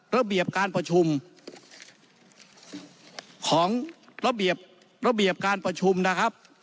ระเบียบการประชุมของระเบียบระเบียบการประชุมนะครับ